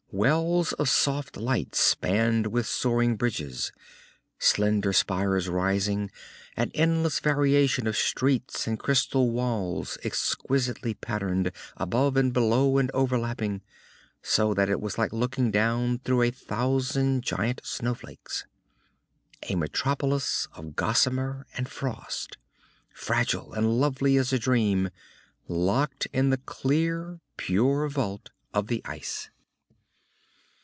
Wells of soft light spanned with soaring bridges, slender spires rising, an endless variation of streets and crystal walls exquisitely patterned, above and below and overlapping, so that it was like looking down through a thousand giant snowflakes. A metropolis of gossamer and frost, fragile and lovely as a dream, locked in the clear, pure vault of the ice.